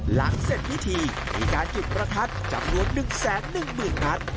หลังเสร็จพิธีมีการจุดประทัดจำนวน๑๑๐๐๐นัด